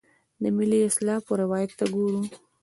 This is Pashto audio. د ملي اسلافو روایت ته ګورو.